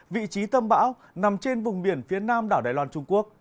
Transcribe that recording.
vị trí tâm bão nằm trên vùng biển phía nam đảo đài loan trung quốc